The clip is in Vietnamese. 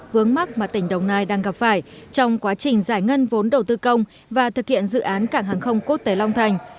vướng mắt mà tỉnh đồng nai đang gặp phải trong quá trình giải ngân vốn đầu tư công và thực hiện dự án cảng hàng không quốc tế long thành